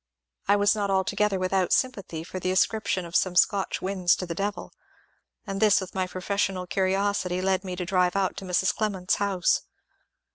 I was not al together without sympathy with the ascription of some Scotch winds to the devil, and this with my professional curiosity led me to drive out to Mrs. Clement's house.